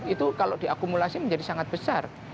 itu kalau diakumulasi menjadi sangat besar